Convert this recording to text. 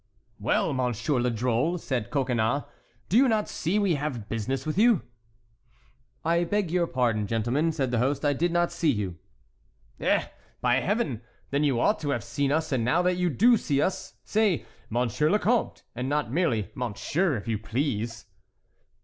"Well, monsieur le drole," said Coconnas, "do not you see we have business with you?" "I beg pardon, gentlemen," said the host; "I did not see you." "Eh, by Heaven! then you ought to have seen us; and now that you do see us, say, 'Monsieur le Comte,' and not merely 'Monsieur,' if you please."